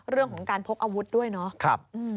เรื่องของการพกอาวุธด้วยเนาะ